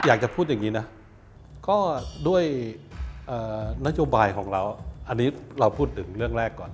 อยากจะพูดอย่างนี้นะก็ด้วยนโยบายของเราอันนี้เราพูดถึงเรื่องแรกก่อน